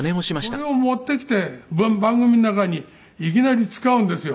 それを持ってきて番組の中にいきなり使うんですよ。